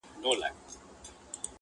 تر غوږو مي ورته تاو كړل شخ برېتونه-